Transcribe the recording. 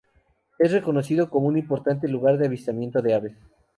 Es reconocido como un importante lugar de avistamiento de aves.